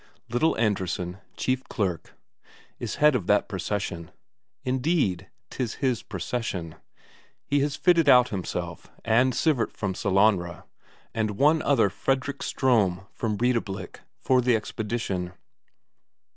Little Andresen, chief clerk, is head of that procession; indeed, 'tis his procession; he has fitted out himself, and Sivert from Sellanraa, and one other, Fredrik Ström from Breidablik, for the expedition.